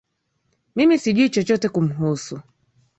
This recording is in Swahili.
Mimi sijui chochote kumhusu